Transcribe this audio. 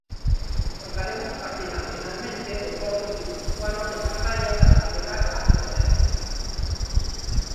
Os galegos partirán finalmente do porto guipuscoano de Pasaia para navegar até as Hébridas.